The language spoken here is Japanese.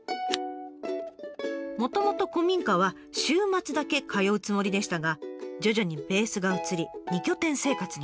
もともと古民家は週末だけ通うつもりでしたが徐々にベースが移り２拠点生活に。